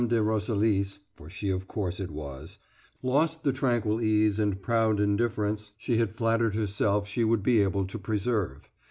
de Roselis (for she, of course, it was) lost the tranquil ease and proud indifference she had flattered herself she would be able to preserve.